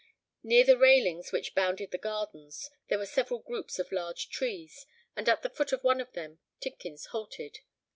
Near the railings which bounded the gardens, there were several groups of large trees; and at the foot of one of them Tidkins halted.